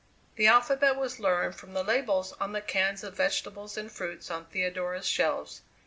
The alphabet was learned from the labels on the cans of vegetables and fruits on Theodora's shelves.